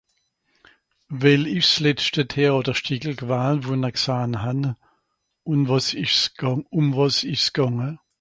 Quelle est la dernière piece de théâtre que vous ayez vue et quel était le sujet